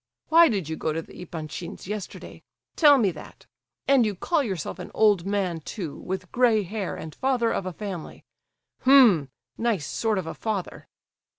Why did you go to the Epanchins' yesterday—tell me that? And you call yourself an old man, too, with grey hair, and father of a family! H'm—nice sort of a father."